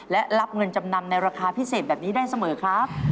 และรับเงินจำนำในราคาพิเศษแบบนี้ได้เสมอครับ